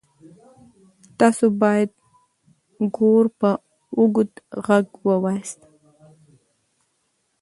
تاسو باید ګور په اوږد غږ ووایاست.